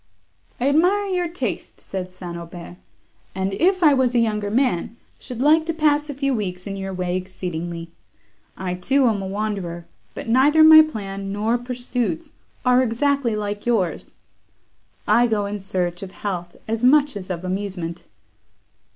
"I admire your taste," said St. Aubert, "and, if I was a younger man, should like to pass a few weeks in your way exceedingly. I, too, am a wanderer, but neither my plan nor pursuits are exactly like yours—I go in search of health, as much as of amusement."